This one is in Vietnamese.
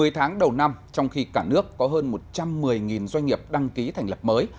một mươi tháng đầu năm trong khi cả nước có hơn một trăm một mươi doanh nghiệp đăng ký thành lập mới